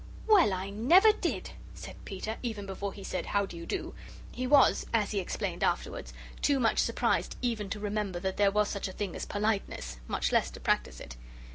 "Well, I never did," said Peter, even before he said, "How do you do?" He was, as he explained afterwards, too surprised even to remember that there was such a thing as politeness much less to practise it.